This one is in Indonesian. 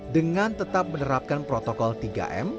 dengan tetap menerapkan protokol tiga m